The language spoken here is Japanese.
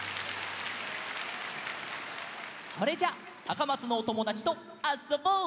それじゃあたかまつのおともだちとあっそぼう！